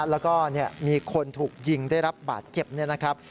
แล้วก็มีคนถูกยิงได้รับบาดเจ็บเนี่ยนะครับ